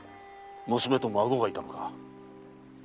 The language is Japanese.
娘と孫がいたのか。